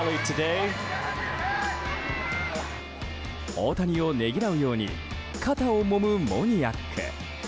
大谷をねぎらうように肩をもむ、モニアック。